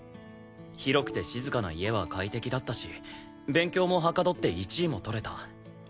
広くて静かな家は快適だったし勉強もはかどって１位も取れた。